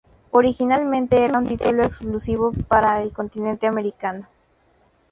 Originalmente era un título exclusivo para el continente americano.